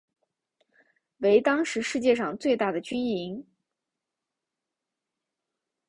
为当时世界上最大的军营。